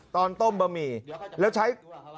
ตอนต้มบะหมี่แล้วใช้